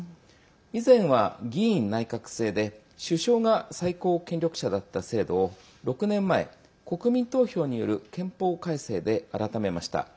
以前は議院内閣制で首相が最高権力者だった制度を６年前、国民投票による憲法改正で改めました。